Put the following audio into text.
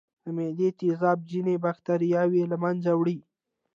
د معدې تیزاب ځینې بکتریاوې له منځه وړي.